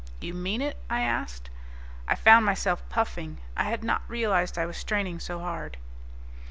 "You mean it?" I asked. I found myself puffing; I had not realized I was straining so hard.